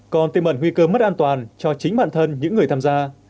còn tiêm ẩn nguy cơ mất an toàn cho chính bản thân những người tham gia